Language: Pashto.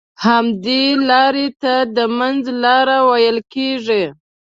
همدې لارې ته د منځ لاره ويل کېږي.